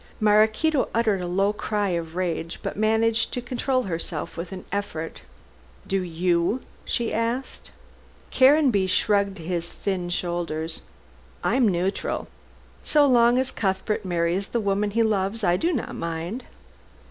Maraquito uttered a low cry of rage, but managed to control herself with an effort. "Do you?" she asked. Caranby shrugged his thin shoulders. "I am neutral. So long as Cuthbert marries the woman he loves, I do not mind."